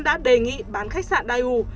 đã đề nghị bán khách sạn dai u